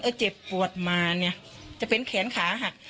ก็เจ็บปวดมาเนี่ยจะเป็นแขนขาหัก